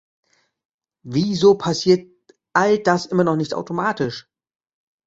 Wieso passiert all das immer noch nicht automatisch?